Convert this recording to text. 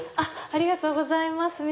ありがとうございます。